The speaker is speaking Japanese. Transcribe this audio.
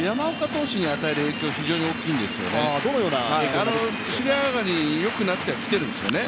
投手に与える影響が非常に大きいんですよね。